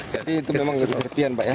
jadi itu memang serpihan pak ya